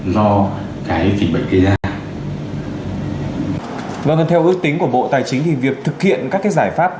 và ngân theo ước tính của bộ tài chính thì việc thực hiện các cái giải pháp